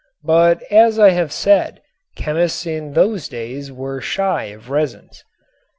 But as I have said, chemists in those days were shy of resins.